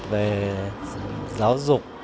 về giáo dục